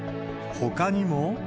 ほかにも。